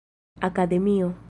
akademio